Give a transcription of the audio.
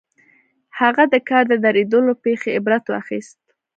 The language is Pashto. هغه د کار د درېدو له پېښې عبرت واخيست.